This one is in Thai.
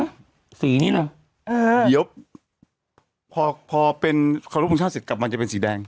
สีนี้เหรอเดี๋ยวพอพอเป็นขอรบทรงชาติเสร็จกลับมาจะเป็นสีแดง